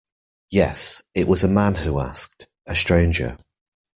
Yes, it was a man who asked, a stranger.